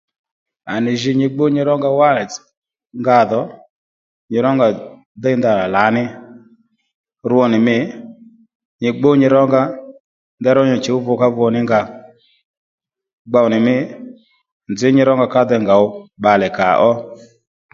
À nì jǐ nyi gbú nyi rónga wánì nga dhò nyi rónga déy ndanà lǎní rwo nì mî nyi gbú nyi rónga nderó nyi chǔw vukávu ní nga gbow nì mî ndaní nzǐ nyi rónga ka dey ngòw bbalè kàó